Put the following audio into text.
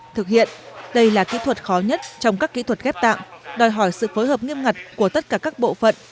thực hiện đây là kỹ thuật khó nhất trong các kỹ thuật ghép tạng đòi hỏi sự phối hợp nghiêm ngặt của tất cả các bộ phận